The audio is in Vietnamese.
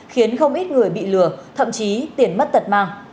khiến không ít người bị lừa thậm chí tiền mất tật mang